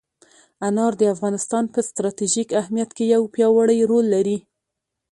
انار د افغانستان په ستراتیژیک اهمیت کې یو پیاوړی رول لري.